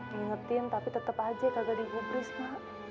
diingetin tapi tetep aja kagak dihubris mak